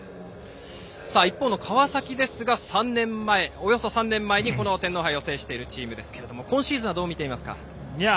一方の川崎ですがおよそ３年前に天皇杯を制しているチームですが今シーズンどう見ていますか？